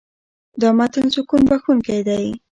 دا متن سکون بښونکی دی.